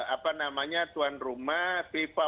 apa namanya tuan rumah fifa